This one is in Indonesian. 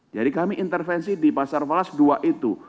jadi kami intervensi di pasar falas dua itu